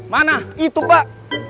mana itu pak